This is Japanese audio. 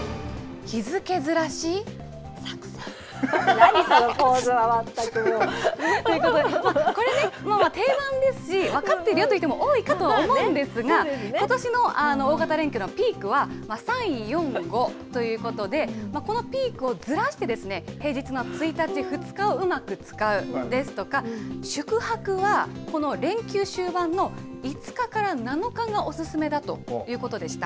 何そのポーズは、全くもう。ということで、これね、定番ですし、分かってるよという人も多いかとは思うんですが、ことしの大型連休のピークは、３、４、５ということで、このピークをずらして、平日の１日、２日をうまく使うですとか、宿泊はこの連休終盤の５日から７日がお勧めだということでした。